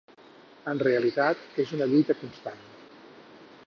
En realitat, és una lluita constant.